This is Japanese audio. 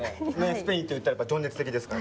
スペインといったら情熱的ですから。